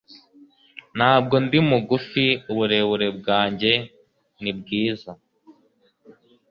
ntabwo ndi mugufi! uburebure bwanjye ni bwiza